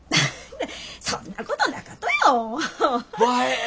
そんなことなかとよ。ばえー！